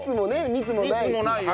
密もないよ。